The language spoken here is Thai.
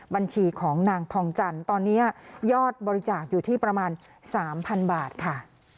บัญชีของนางทองจันทร์ตอนนี้ยอดบริจาคอยู่ที่ประมาณ๓๐๐๐บาทค่ะ